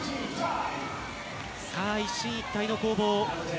一進一退の攻防。